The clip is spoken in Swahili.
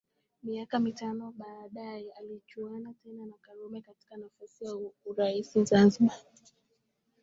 Miaka mitano baadaye alichuana tena na Karume katika nafasi ya urais Zanzibar